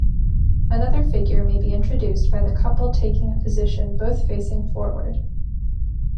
Another figure may be introduced by the couple taking a position both facing forward.